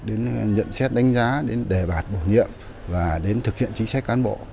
đến nhận xét đánh giá đến đề bạt bổ nhiệm và đến thực hiện chính sách cán bộ